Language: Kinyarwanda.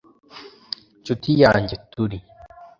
ncuti yanjye turi